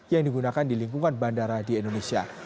yang digunakan di lingkungan bandara di indonesia